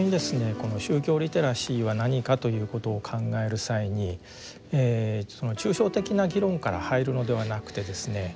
この宗教リテラシーは何かということを考える際に抽象的な議論から入るのではなくてですね